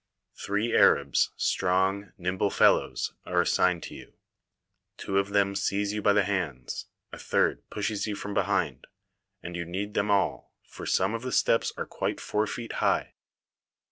Three Arabs, strong, nimble fellows, are assigned to you. Two of them seize you by the hands; a third pushes you from behind, and you need them all, for some of the steps are quite four feet high.